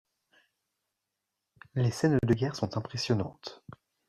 Les scènes de guerre sont impressionnantes.